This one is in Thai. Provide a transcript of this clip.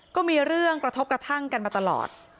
ก็มีเรื่องกระทบกระทั่งกันมาตลอด